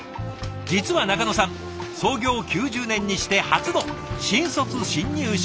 実は仲野さん創業９０年にして初の新卒新入社員。